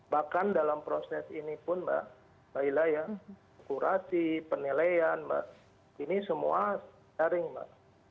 bahkan dalam proses ini pun mbak ila ya kurasi penilaian mbak ini semua daring mbak